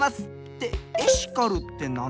ってエシカルってなんだ？